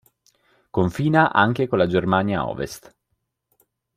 Confina anche con la Germania Ovest.